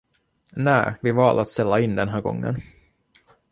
Nä, vi valde att ställa in den här gången.